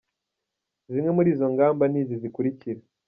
Zimwe muri izo ngamba ni izi zikurikira:.